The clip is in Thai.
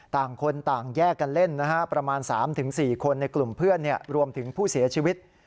ต่างคนต่างแยกกันเล่นนะฮะประมาณ๓๔คนในกลุ่มเพื่อนรวมถึงผู้เสียชีวิต